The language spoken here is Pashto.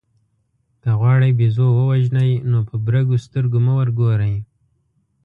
که غواړئ بېزو ووژنئ نو په برګو سترګو مه ورګورئ.